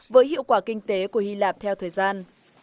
với hiệu quả kinh tế của hy lạp theo thời gian